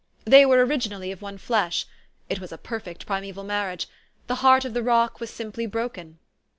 They were originally of one flesh. It was a perfect primeval marriage. The heart of the rock was simply broken."